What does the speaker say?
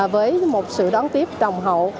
với một sự đón tiếp đồng hậu